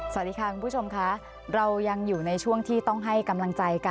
สวัสดีค่ะคุณผู้ชมค่ะ